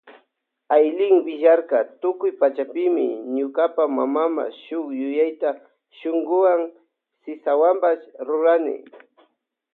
Aylin willarka tukuy pachami ñukapa mamama shuk shuyuta shunkuwan sisakunawanpash rurani.